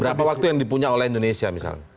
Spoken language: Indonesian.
berapa waktu yang dipunya oleh indonesia misalnya